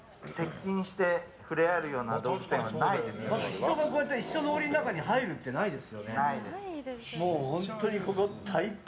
人がこうやって一緒の檻の中に入るってないです。